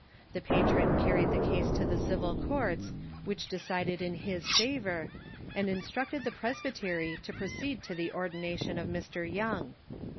The patron carried the case to the civil courts, which decided in his favor, and instructed the Presbytery to proceed to the ordination of Mr. Young.